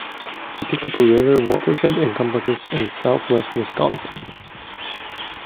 The Kickapoo River watershed encompasses in southwest Wisconsin.